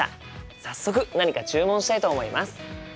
早速何か注文したいと思います！